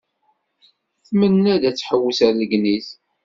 Tmenna-d ad tḥewwes ar Legniz.